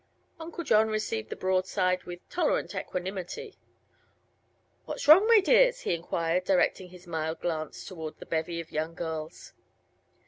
Uncle John received the broadside with tolerant equanimity. "What's wrong; my dears?" he enquired, directing his mild glance toward the bevy of young girls.